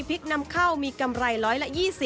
พริกนำเข้ามีกำไร๑๐๐และ๒๐